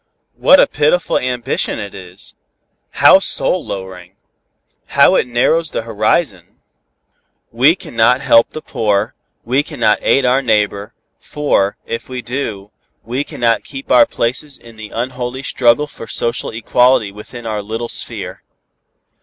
What a pitiful ambition it is! How soul lowering! How it narrows the horizon! We cannot help the poor, we cannot aid our neighbor, for, if we do, we cannot keep our places in the unholy struggle for social equality within our little sphere.